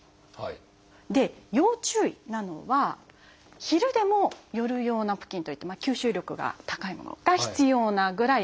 で要注意なのは昼でも夜用ナプキンといって吸収力が高いものが必要なぐらい多い。